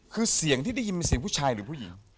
คือเสียงที่ได้ยินเป็นเสียงผู้ชายหรือผู้หญิง